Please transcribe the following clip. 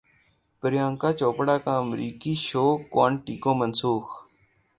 پریانکا چوپڑا کا امریکی show Quantico منسوخ